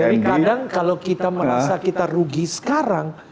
jadi kadang kalau kita merasa kita rugi sekarang